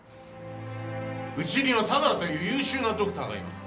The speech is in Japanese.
うちには相良という優秀なドクターがいます。